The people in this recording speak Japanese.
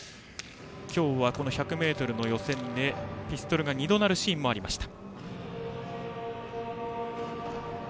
今日は１００ｍの予選でピストルが２度鳴るシーンもありました。